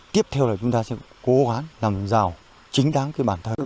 tiếp theo là chúng ta sẽ cố gắng làm rào chính đáng cái bản thân